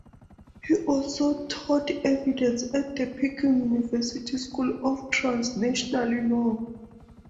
He also has taught Evidence at the Peking University School of Transnational Law.